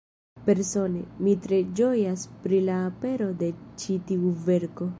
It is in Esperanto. Persone, mi tre ĝojas pri la apero de ĉi tiu verko.